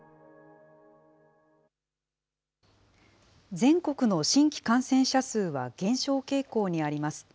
全国の新規感染者数は減少傾向にあります。